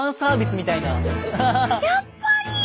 やっぱり！